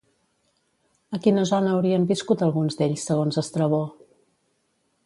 A quina zona haurien viscut alguns d'ells, segons Estrabó?